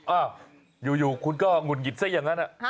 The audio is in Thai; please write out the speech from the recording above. อ้าวอยู่คุณก็หงุดหงิดซะอย่างนั้น